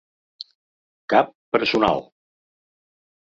Cap personal.